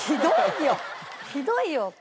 ひどいよ。